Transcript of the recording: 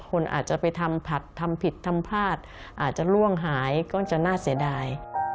คนอาจจะไปทำผัดทำผิดทำพลาดอาจจะล่วงหายก็จะน่าเสียดาย